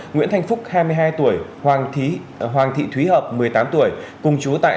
nguyễn thanh phúc hai mươi hai tuổi hoàng thị thúy hợp một mươi tám tuổi cùng chú tại